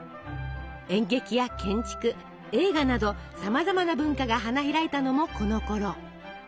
演劇や建築映画などさまざまな文化が花開いたのもこのころ。